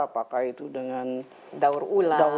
apakah itu dengan daur ulang